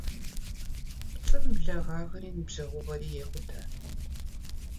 ПцӀым благъагъэри ныбжьэгъугъэри екъутэ.